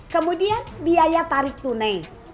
kemudian biaya tarik tunai